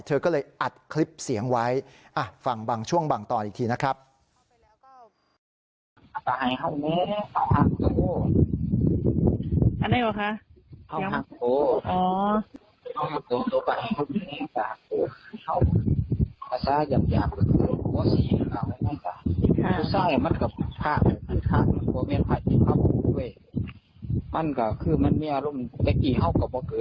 เธอก็เลยอัดคลิปเสียงไว้ฟังบางช่วงบางตอนอีกทีนะครับ